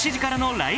ライブ！」